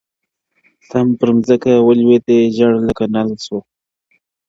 • سم پر مځکه ولوېدی ژړ لکه نل سو -